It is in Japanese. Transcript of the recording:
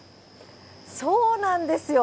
そうなんですよ。